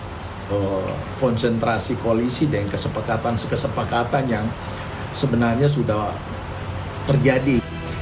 ada konsentrasi koalisi dan kesepakatan kesepakatan yang sebenarnya sudah terjadi